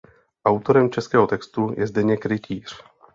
Autorem českého textu je Zdeněk Rytíř.